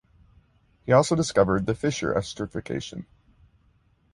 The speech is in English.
He also discovered the Fischer esterification.